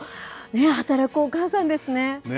働くお母さんですね。